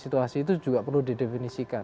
situasi itu juga perlu di definisikan